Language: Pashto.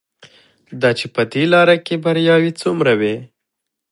دا چې په دې لاره کې بریاوې څومره وې.